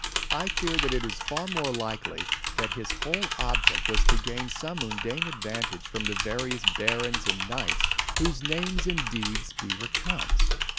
I fear that it is far more likely that his whole object was to gain some mundane advantage from the various barons and knights whose names and deeds be recounts.